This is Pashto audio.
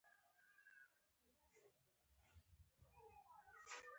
نظارت او بررسي یو ضروري امر دی.